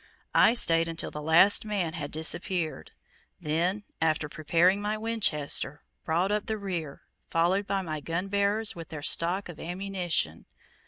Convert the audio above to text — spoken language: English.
I stayed until the last man had disappeared; then, after preparing my Winchester, brought up the rear, followed by my gunbearers with their stock of ammunition.